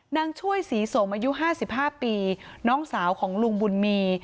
นางช่วยศรีสมอายุ๕๕ปีน้องสาวของลุงบุญมี